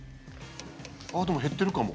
ああでも減ってるかも。